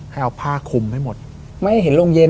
ให้เอาผ้าคุมให้หมดไม่ให้เห็นโรงเย็น